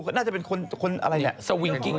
อันน่าจะเป็นคนอะไรเนี่ย